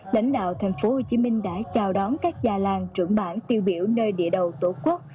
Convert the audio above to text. lãnh đạo tp hcm đã chào đón các già làng trưởng bản tiêu biểu nơi địa đầu tổ quốc